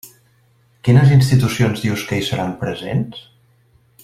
Quines institucions dius que hi seran presents?